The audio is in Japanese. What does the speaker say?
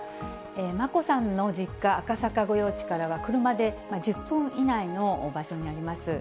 眞子さんの実家、赤坂御用地からは、車で１０分以内の場所にあります。